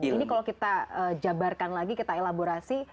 ini kalau kita jabarkan lagi kita elaborasi